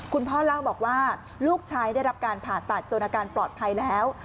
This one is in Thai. คุณพ่อเล่าบอกว่าลูกชายได้รับการผ่าตัดจนอาการปลอดภัยแล้ว